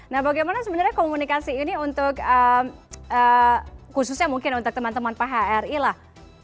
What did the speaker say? nah bagaimana sebenarnya komunikasi ini untuk khususnya mungkin untuk teman teman phri lah